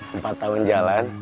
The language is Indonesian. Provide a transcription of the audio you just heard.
empat tahun jalan